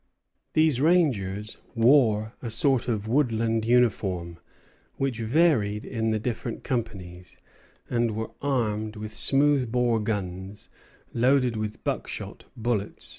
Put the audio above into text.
These rangers wore a sort of woodland uniform, which varied in the different companies, and were armed with smooth bore guns, loaded with buckshot, bullets, or sometimes both.